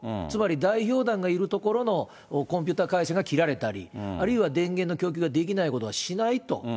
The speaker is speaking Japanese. つまり、代表団がいるところのコンピューター回線が切られたり、あるいは電源の供給ができないことはしないと。